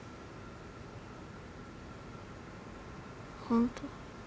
本当？